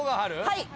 はい！